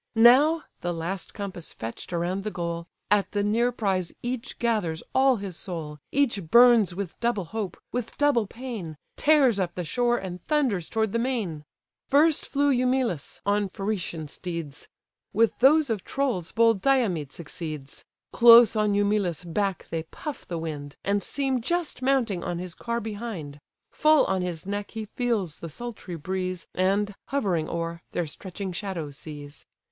Now (the last compass fetch'd around the goal) At the near prize each gathers all his soul, Each burns with double hope, with double pain, Tears up the shore, and thunders toward the main. First flew Eumelus on Pheretian steeds; With those of Tros bold Diomed succeeds: Close on Eumelus' back they puff the wind, And seem just mounting on his car behind; Full on his neck he feels the sultry breeze, And, hovering o'er, their stretching shadows sees.